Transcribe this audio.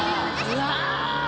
うわ。